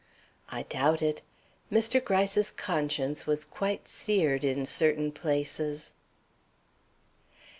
I doubt it. Mr. Gryce's conscience was quite seared in certain places.